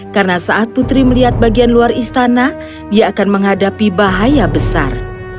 karena saat putri melihat bagian luar istana dia akan menghadapi bahaya besar